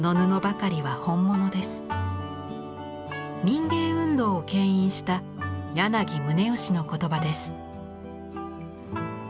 民藝運動を牽引した柳宗悦の言葉です。